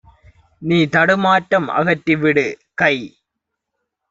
நீதடு மாற்றம் அகற்றிவிடு! - கை